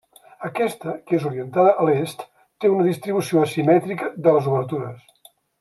Aquesta, que és orientada a l'est, té una distribució asimètrica de les obertures.